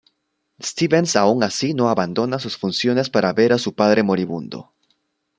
Stevens aun así no abandona sus funciones para ver a su padre moribundo.